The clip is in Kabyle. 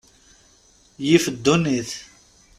Yif ddunit.